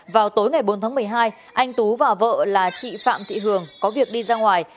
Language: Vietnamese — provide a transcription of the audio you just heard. vào tối ngày bốn tháng một mươi hai anh tú và vợ là chị phạm thị hường có việc đi ra ngoài